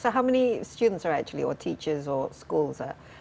jadi berapa banyak pelajar atau guru atau sekolah